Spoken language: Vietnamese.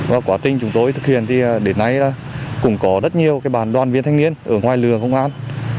và quá trình chúng tôi thực hiện thì đến nay là cũng có rất nhiều cái bàn đoàn viên thanh niên ở ngoài lường công an